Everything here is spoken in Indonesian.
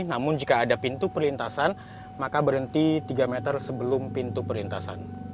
namun jika ada pintu perlintasan maka berhenti tiga meter sebelum pintu perlintasan